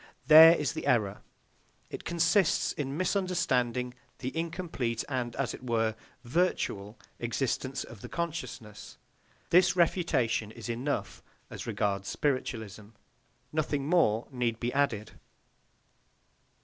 There is the error. It consists in misunderstanding the incomplete and, as it were, virtual existence of the consciousness. This refutation is enough as regards spiritualism. Nothing more need be added.